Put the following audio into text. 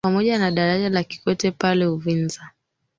pamoja na daraja la Kikwete pale Uvinza